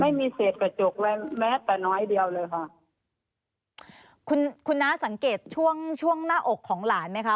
ไม่มีเศษกระจกเลยแม้แต่น้อยเดียวเลยค่ะคุณคุณน้าสังเกตช่วงช่วงหน้าอกของหลานไหมคะ